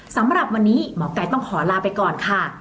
สำหรับวันนี้หมอกัยต้องขอลาไปก่อนค่ะ